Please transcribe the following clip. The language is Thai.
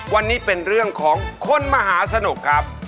วันนี้เป็นเรื่องของคนมหาสนุกครับ